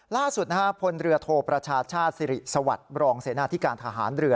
ล่าสุดนะฮะพลเรือโทประชาชาติสิริสวัสดิ์รองเสนาธิการทหารเรือ